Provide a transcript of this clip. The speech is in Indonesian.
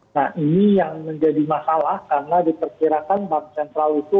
nah ini yang menjadi masalah karena diperkirakan bank sentral itu